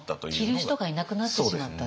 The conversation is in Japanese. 着る人がいなくなってしまったっていう。